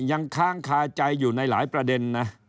ยังค้างคาใจอยู่ในหลายประเด็นนะ